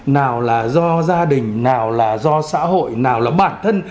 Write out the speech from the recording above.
nào là do gia đình nào là do xã hội nào là bản thân